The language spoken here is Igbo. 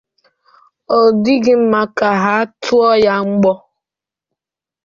ọ dịghị mma ka a tụọ ya mbọ.